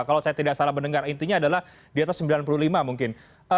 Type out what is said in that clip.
kalau saya tidak salah mendengar intinya adalah di atas sembilan puluh lima mungkin